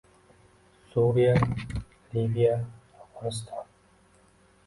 Suriya, Liviya, Afg'oniston